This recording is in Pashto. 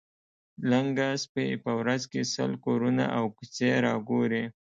لنګه سپۍ په ورځ کې سل کورونه او کوڅې را ګوري.